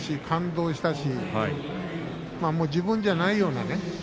感動したしもう自分じゃないようなね